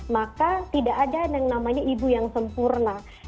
maka tidak ada yang namanya ibu yang sempurna